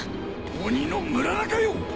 鬼の村中よ！